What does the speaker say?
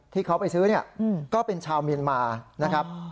ที่เขาไปซื้อเนี่ยก็เป็นชาวเมียนมานะครับ